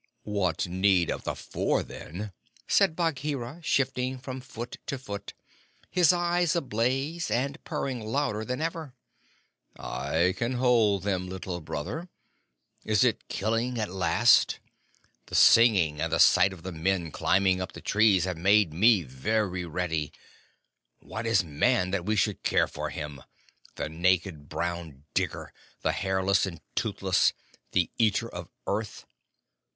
"What need of the Four, then?" said Bagheera, shifting from foot to foot, his eyes ablaze, and purring louder than ever. "I can hold them, Little Brother. Is it killing at last? The singing and the sight of the men climbing up the trees have made me very ready. What is Man that we should care for him the naked brown digger, the hairless and toothless, the eater of earth?